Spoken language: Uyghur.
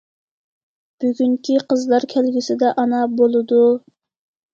بۈگۈنكى قىزلار كەلگۈسىدە ئانا بولىدۇ.